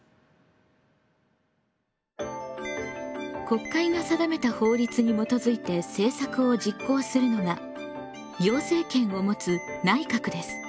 国会が定めた法律に基づいて政策を実行するのが行政権を持つ内閣です。